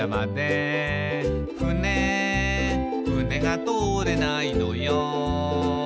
「ふねふねが通れないのよ」